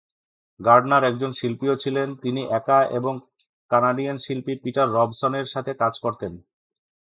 Gairdner একজন শিল্পীও ছিলেন, তিনি একা এবং কানাডিয়ান শিল্পী পিটার রবসনের সাথে কাজ করতেন।